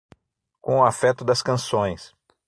Com o afeto das canções